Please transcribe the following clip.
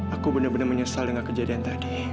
aku benar benar menyesal dengan kejadian tadi